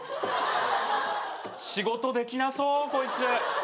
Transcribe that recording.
仕事できなそうこいつ。